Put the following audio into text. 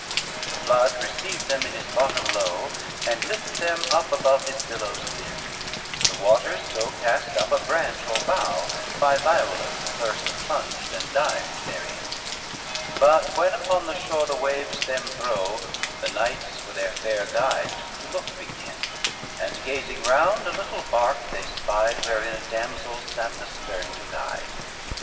III The flood received them in his bottom low And lilt them up above his billows thin; The waters so east up a branch or bough, By violence first plunged and dived therein: But when upon the shore the waves them throw, The knights for their fair guide to look begin, And gazing round a little bark they spied, Wherein a damsel sate the stern to guide.